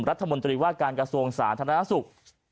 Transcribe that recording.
รัฐมนตรีว่าการกระทรวงสาธารณสุข